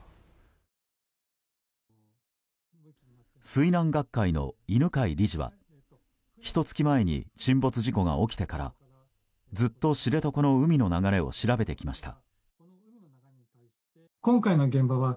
水難学会の犬飼理事はひと月前に沈没事故が起きてからずっと知床の海の流れを調べてきました。